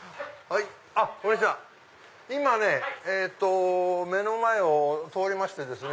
今ね目の前を通りまして。